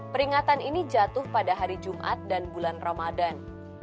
peringatan ini jatuh pada hari jumat dan bulan ramadan